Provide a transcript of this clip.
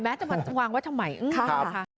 แม้จะมาวางวัดใหม่อื้อค่ะ